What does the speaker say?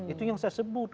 itu yang saya sebut